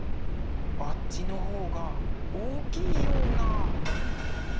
あっちの方が大きいような。